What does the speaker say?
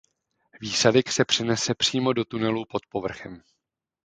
Výsadek se přenese přímo do tunelů pod povrchem.